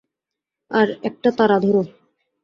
আর একটা তারা ধরো।